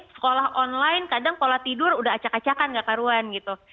sekolah online kadang sekolah tidur udah acak acakan nggak paruan gitu